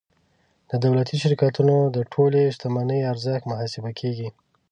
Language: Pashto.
د دولتي شرکتونو د ټولې شتمنۍ ارزښت محاسبه کیږي.